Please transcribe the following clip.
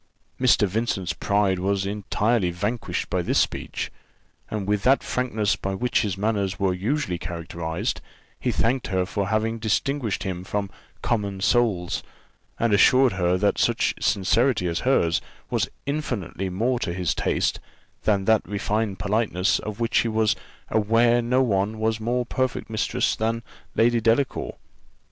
Mr. Vincent's pride was entirely vanquished by this speech; and with that frankness by which his manners were usually characterized, he thanked her for having distinguished him from common souls; and assured her that such sincerity as hers was infinitely more to his taste than that refined politeness of which he was aware no one was more perfect mistress than Lady Delacour.